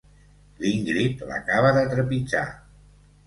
L'Ingrid l'acaba de trepitjar.